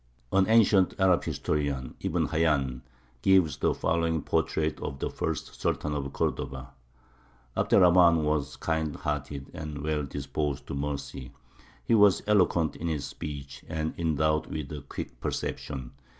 An ancient Arab historian, Ibn Hayyān, gives the following portrait of the first Sultan of Cordova: "Abd er Rahman was kind hearted and well disposed to mercy. He was eloquent in his speech, and endowed with a quick perception.